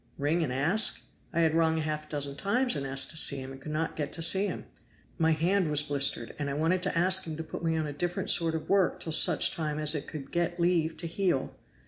"Ring and ask? I had rung half a dozen times and asked to see him and could not get to see him. My hand was blistered, and I wanted to ask him to put me on a different sort of work till such time as it could get leave to heal."